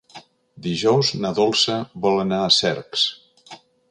Dijous na Dolça vol anar a Cercs.